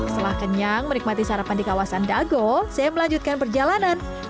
setelah kenyang menikmati sarapan di kawasan dago saya melanjutkan perjalanan